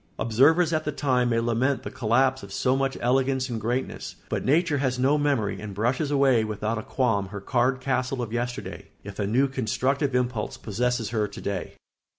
Observers at the time may lament the collapse of so much elegance and greatness; but nature has no memory and brushes away without a qualm her card castle of yesterday, if a new constructive impulse possesses her to day.